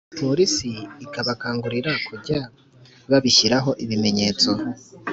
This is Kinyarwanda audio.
porisi ikabakangurira kujya babishyiraho ibimenyetso.